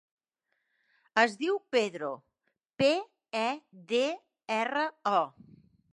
Es diu Pedro: pe, e, de, erra, o.